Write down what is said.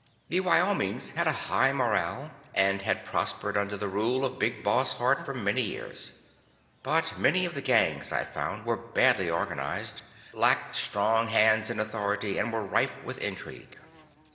The Wyomings had a high morale, and had prospered under the rule of Big Boss Hart for many years. But many of the gangs, I found, were badly organized, lacked strong hands in authority, and were rife with intrigue.